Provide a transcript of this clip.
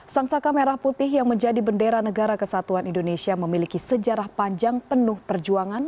sang saka merah putih yang menjadi bendera negara kesatuan indonesia memiliki sejarah panjang penuh perjuangan